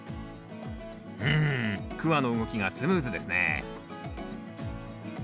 うんクワの動きがスムーズですね